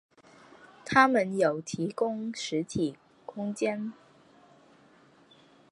它们有的提供实体空间。